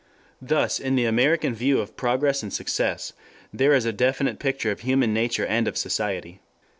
Thus in the American view of Progress and Success there is a definite picture of human nature and of society.